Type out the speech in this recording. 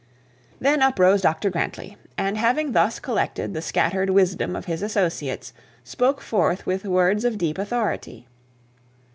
Then up rose Dr Grantly; and, having thus collected the scattered wisdom of his associates, spoke forth with words of deep authority.